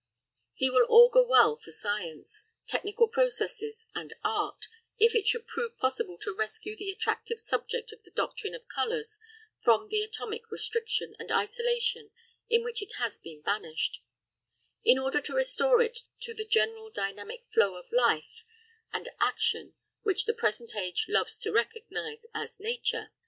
He will augur well for science, technical processes, and art, if it should prove possible to rescue the attractive subject of the doctrine of colours from the atomic restriction and isolation in which it has been banished, in order to restore it to the general dynamic flow of life and action which the present age loves to recognise in nature.